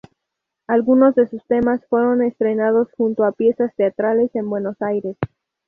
Algunos de sus temas fueron estrenados junto a piezas teatrales en Buenos Aires.